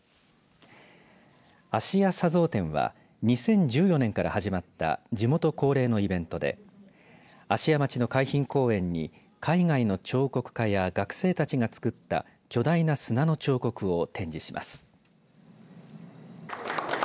あしや砂像展は２０１４年から始まった地元恒例のイベントで芦屋町の海浜公園に海外の彫刻家や学生たちが作った巨大な砂の彫刻を展示します。